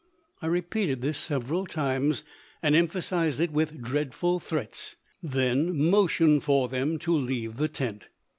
I repeated this several times, and emphasized it with dreadful threats, then motioned for them to leave the tent.